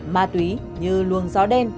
ma túy như luồng gió đen